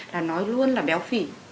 là nói luôn là béo phỉ